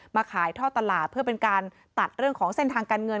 มาขายท่อตลาดเพื่อเป็นการตัดเรื่องของเส้นทางการเงิน